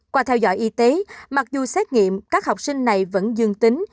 qua theo dõi y tế mặc dù xét nghiệm các học sinh này vẫn dương tính